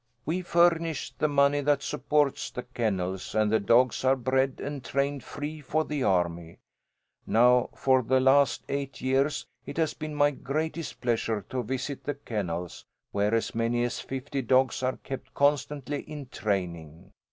"We furnish the money that supports the kennels, and the dogs are bred and trained free for the army. Now for the last eight years it has been my greatest pleasure to visit the kennels, where as many as fifty dogs are kept constantly in training.